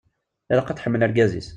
Ilaq ad tḥemmel argaz-is.